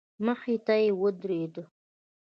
مخې ته يې ودرېد.